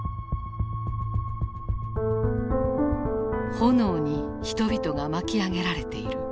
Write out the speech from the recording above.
炎に人々が巻き上げられている。